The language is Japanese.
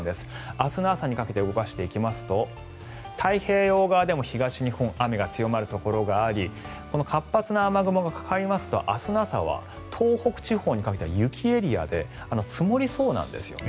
明日の朝にかけて動かしていきますと太平洋側でも東日本、雨が強まるところがあり活発な雨雲がかかりますと明日の朝は東北地方にかけては雪エリアで積もりそうなんですよね。